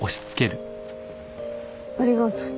ありがとう。